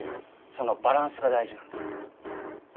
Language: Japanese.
そのバランスが大事なんだ。